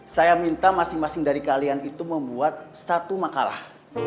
saya minta masing masing dari kalian itu membuat satu makalah